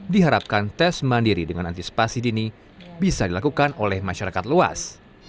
diharapkan tes mandiri dengan antisipasi dini bisa dilakukan oleh masyarakat luas